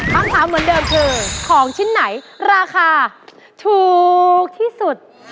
คำถามเหมือนเดิมคือของชิ้นไหนราคาถูกที่สุด